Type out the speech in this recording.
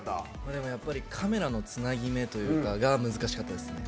でもやっぱりカメラのつなぎ目が難しかったですね。